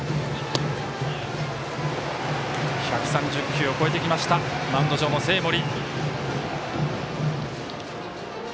１３０球を超えてきたマウンド上の生盛。